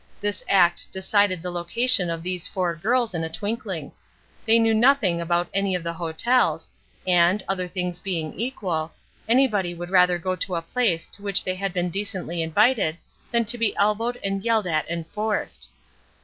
This act decided the location of these four girls in a twinkling; they knew nothing about any of the hotels, and, other things being equal, anybody would rather go to a place to which they had been decently invited than to be elbowed and yelled at and forced.